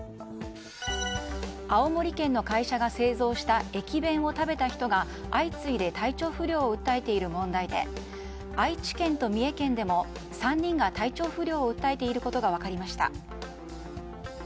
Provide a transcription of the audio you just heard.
青森県の会社が製造した駅弁を食べた人が相次いで体調不良を訴えている問題で愛知県と三重県でも３人が体調不良を訴えていることが分かりました。